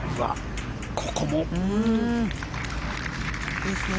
いいですね